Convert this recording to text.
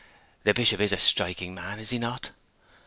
The Bishop is a striking man, is he not?'